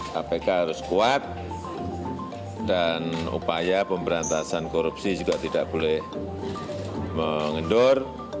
kpk harus kuat dan upaya pemberantasan korupsi juga tidak boleh mengendur